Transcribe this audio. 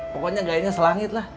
pokoknya gayanya selangit lah